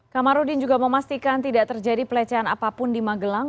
kamarudin juga memastikan tidak terjadi pelecehan apapun di magelang